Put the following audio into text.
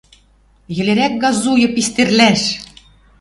Йӹлерӓк газуйы Пистерлӓш!